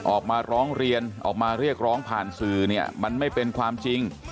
ออกมาร้องเรียนออกมาเรียกร้องผ่านสื่อเนี่ยมันไม่เป็นความจริง